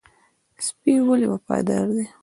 سپی ولې وفادار دی؟